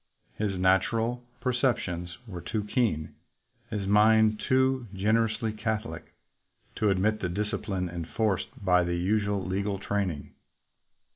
His natural perceptions were too keen, his mind too generously catholic, to admit of the discipline enforced by the usual legal training.